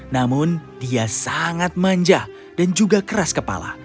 namun dia sangat manja dan juga keras kepala